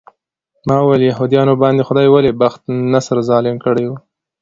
ما وویل یهودانو باندې خدای ولې بخت النصر ظالم کړی و.